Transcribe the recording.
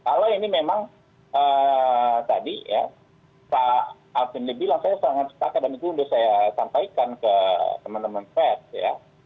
kalau ini memang tadi ya pak alvin dibilang saya sangat sepakat dan itu sudah saya sampaikan ke teman teman pers ya